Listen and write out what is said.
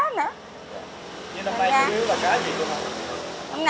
nhưng năm nay có nhiều là cá gì luôn hả